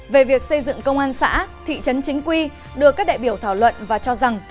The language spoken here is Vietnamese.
về việc xây dựng công an xã thị trấn chính quy được các đại biểu thảo luận và cho rằng